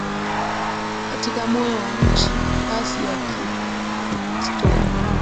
Katika moyo wa nchi Pass ya Kirkstone